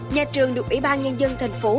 nhà trường được ủy ban nhân dân thành phố